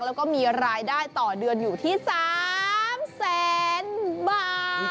แล้วก็มีรายได้ต่อเดือนอยู่ที่๓แสนบาท